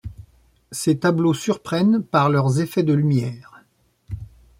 Ses tableaux surprennent par leurs effets de lumières.